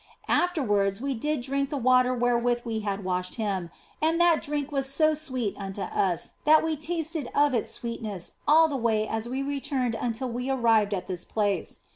Afterwards we did drink the water wherewith we had washed him, and that drink was so sweet unto us that we tasted of its sweetness all the way as we returned until we arrived at this place.